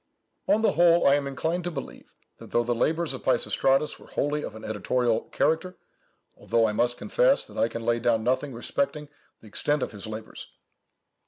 On the whole, I am inclined to believe, that the labours of Peisistratus were wholly of an editorial character, although, I must confess, that I can lay down nothing respecting the extent of his labours.